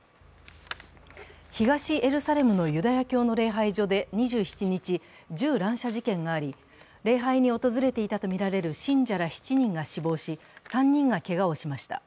東エルサレムのユダヤ教の礼拝所で２７日、銃乱射事件があり、礼拝に訪れていたとみられる信者ら７人が死亡し３人がけがをしました。